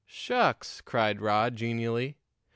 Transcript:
"Shucks!" cried Rod genially.